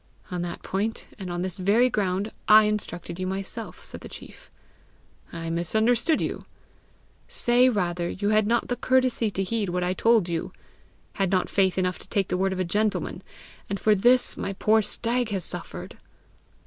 "On that point, and on this very ground, I instructed you myself!" said the chief. "I misunderstood you." "Say rather you had not the courtesy to heed what I told you had not faith enough to take the word of a gentleman! And for this my poor stag has suffered!"